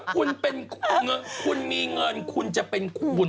คุณมีเงินจะเป็นคุณ